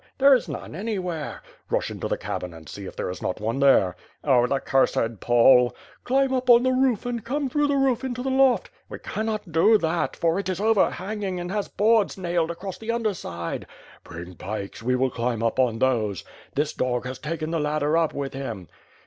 "There is none anywhere." "Rush into, the cabin and see if there is not one there!" "Oh, the cursed Pole!" "Climb up on the roof, and come through the roof into the loft." "We cannot do that, for it is overhanging and has boards nailed across the underside." "Bring pikes, we will climb up on those. This dog has taken the ladder up with him."